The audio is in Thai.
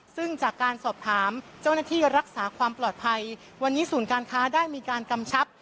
ซึ่งจากการสอบถามเจ้าหน้าที่รักษาความปลอดภัยวันนี้ศูนย์การค้าได้มีการกำชับ